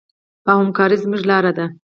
او همکاري زموږ لاره ده.